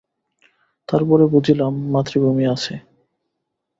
তার পরে বুঝিলাম, মাতৃভূমি আছে।